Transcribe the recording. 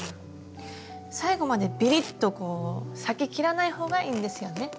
最後までビリッとこう裂き切らない方がいいんですよね。